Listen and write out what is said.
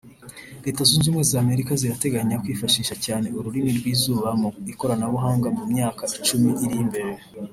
Leta Zunze Ubumwe z’Amerika zirateganya kwifashisha cyane urumuri rw’izuba mu ikoranabuhanga mu myaka icumi iri imbere